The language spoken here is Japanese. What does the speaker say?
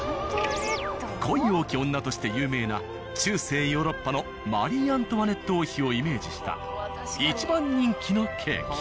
恋多き女として有名な中世ヨーロッパのマリー・アントワネット王妃をイメージした一番人気のケーキ。